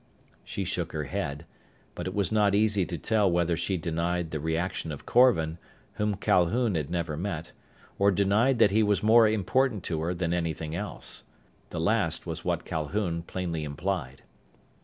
She shook her head, but it was not easy to tell whether she denied the reaction of Korvan, whom Calhoun had never met, or denied that he was more important to her than anything else. The last was what Calhoun plainly implied.